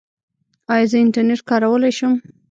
ایا زه انټرنیټ کارولی شم؟